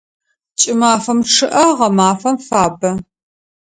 Кӏымафэм чъыӏэ, гъэмафэм фабэ.